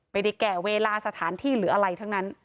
แก่เวลาสถานที่หรืออะไรทั้งนั้น